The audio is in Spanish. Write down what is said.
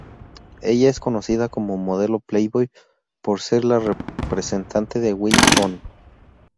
Ella es conocida como modelo Playboy, por ser la presentadora de "Wild On!